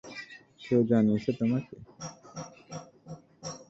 কেউ জানিয়েছে তোমাকে?